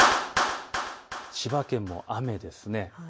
千葉県も雨ですね。